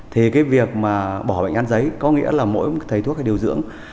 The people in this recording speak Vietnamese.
thì cái việc mà bỏ bệnh án giấy có nghĩa là mỗi thầy thuốc hay điều dưỡng